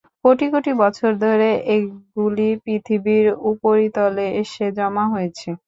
কোটি কোটি বছর ধরে এগুলি পৃথিবীর উপরিতলে এসে জমা হয়েছে।